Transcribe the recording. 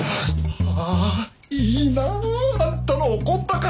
ああいいなあんたの怒った顔。